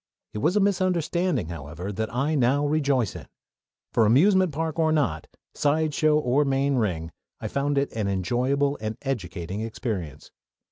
It was a misunderstanding, however, that I now rejoice in; for, amusement park or not, sideshow or main ring, I found it an enjoyable and educating experience.